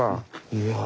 いや。